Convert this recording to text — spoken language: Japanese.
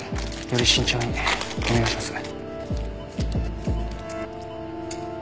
より慎重にお願いします。